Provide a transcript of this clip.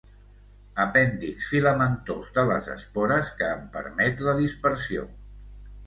Apèndix filamentós de les espores, que en permet la dispersió.